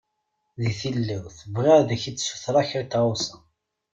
Di tilawt, bɣiɣ ad k-d-ssutreɣ kra tɣawsa.